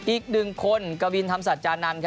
อีกหนึ่งคนกวินธรรมสัจจานันทร์